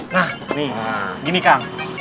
nah gini kang